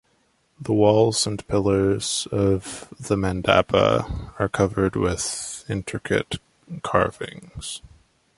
The walls and pillars of the mandapa are covered with intricate carvings.